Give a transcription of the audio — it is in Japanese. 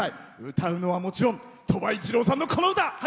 歌うのは、もちろん鳥羽一郎さんの、この歌。